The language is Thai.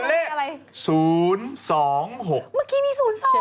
เมื่อกี้มี๐๒